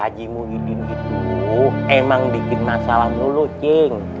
aji muhyiddin itu emang bikin masalah dulu cing